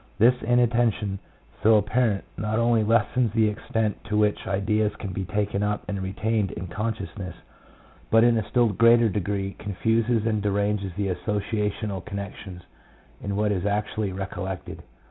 This in attention, so apparent, not only lessens the extent to which ideas can be taken up and retained in con sciousness, but in a still greater degree confuses and deranges the associational connections in what is actually recollected.